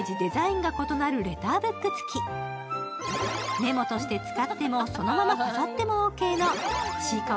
メモとして使ってもそのまま飾ってもオーケーの「ちいかわ」